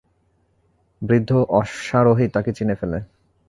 বৃদ্ধ অশ্বারোহী তাকে চিনে ফেলে।